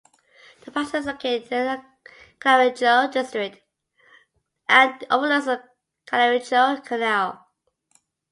The palazzo is located in the Cannaregio district and overlooks the Cannaregio Canal.